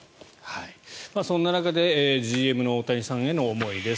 そんな中でＧＭの大谷さんへの思いです。